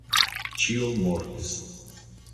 Ĉio mortis!